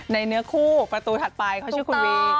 เนื้อคู่ประตูถัดไปเขาชื่อคุณวี